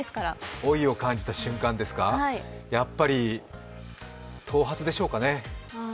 老いを感じた瞬間ですか、やっぱり、頭髪でしょうかね。